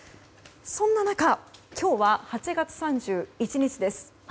そんな中今日は８月３１日です。